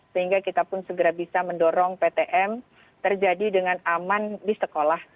sehingga kita pun segera bisa mendorong ptm terjadi dengan aman di sekolah